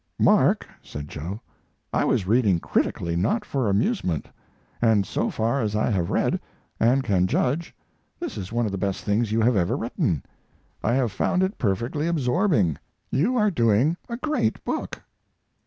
"Mark," said Joe, "I was reading critically, not for amusement, and so far as I have read, and can judge, this is one of the best things you have ever written. I have found it perfectly absorbing. You are doing a great book!"